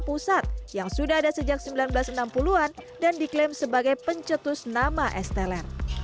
pusat yang sudah ada sejak seribu sembilan ratus enam puluh an dan diklaim sebagai pencetus nama es teler